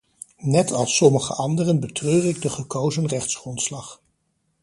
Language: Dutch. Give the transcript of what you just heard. Net als sommige anderen betreur ik de gekozen rechtsgrondslag.